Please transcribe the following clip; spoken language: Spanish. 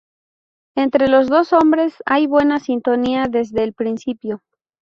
Entre los dos hombres, hay buena sintonía desde el principio.